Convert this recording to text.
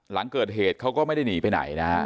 หลังเกิดเหตุเขาก็ไม่ได้หนีไปไหนนะฮะ